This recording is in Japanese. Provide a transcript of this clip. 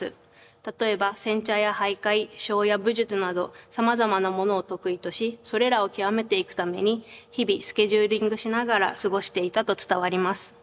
例えば煎茶や俳諧笙や武術などさまざまなものを得意としそれらを極めていくために日々スケジューリングしながら過ごしていたと伝わります。